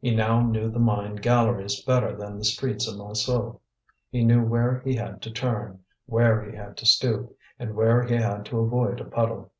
He now knew the mine galleries better than the streets of Montsou; he knew where he had to turn, where he had to stoop, and where he had to avoid a puddle.